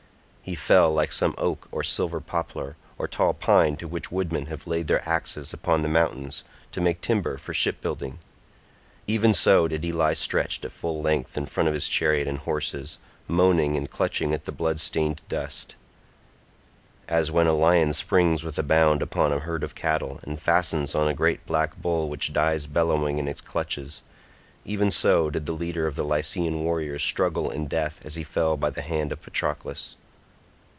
He fell like some oak or silver poplar or tall pine to which woodmen have laid their axes upon the mountains to make timber for ship building—even so did he lie stretched at full length in front of his chariot and horses, moaning and clutching at the blood stained dust. As when a lion springs with a bound upon a herd of cattle and fastens on a great black bull which dies bellowing in its clutches—even so did the leader of the Lycian warriors struggle in death as he fell by the hand of Patroclus.